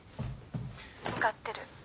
向かってる。